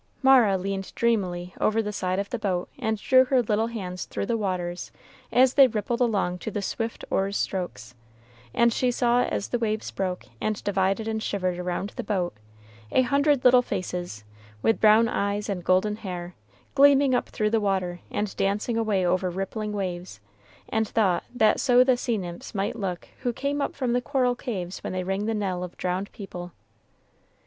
Mara leaned dreamily over the side of the boat, and drew her little hands through the waters as they rippled along to the swift oars' strokes, and she saw as the waves broke, and divided and shivered around the boat, a hundred little faces, with brown eyes and golden hair, gleaming up through the water, and dancing away over rippling waves, and thought that so the sea nymphs might look who came up from the coral caves when they ring the knell of drowned people.